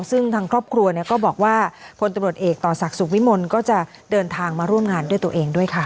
ซึ่งทางครอบครัวก็บอกว่าพลตำรวจเอกต่อศักดิ์สุขวิมลก็จะเดินทางมาร่วมงานด้วยตัวเองด้วยค่ะ